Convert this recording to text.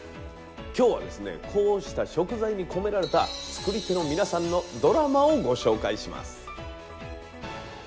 今日はですねこうした食材に込められた作り手の皆さんのドラマをご紹介します。